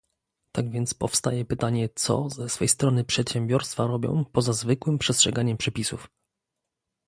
Tak więc powstaje pytanie, co ze swej strony przedsiębiorstwa robią poza zwykłym przestrzeganiem przepisów